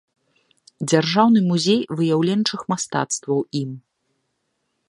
Дзяржаўны музей выяўленчых мастацтваў ім.